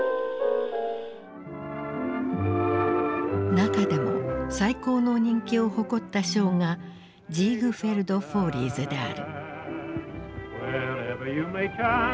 中でも最高の人気を誇ったショーが「ジーグフェルド・フォーリーズ」である。